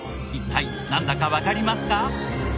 一体なんだかわかりますか？